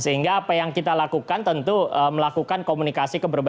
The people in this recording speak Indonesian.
sehingga apa yang kita lakukan tentu melakukan komunikasi